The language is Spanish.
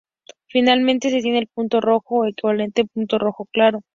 Finalmente se tiene el punto rojo o el equivalente punto rojo claro.